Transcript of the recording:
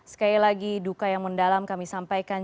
sekali lagi duka yang mendalam kami sampaikan